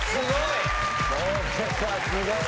すごい。